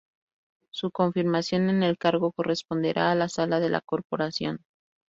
Su confirmación en el cargo corresponderá a la Sala de la Corporación"".